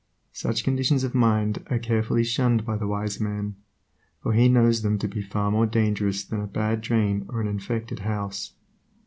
Such conditions of mind are carefully shunned by the wise man, for he knows them to be far more dangerous than a bad drain or an infected house.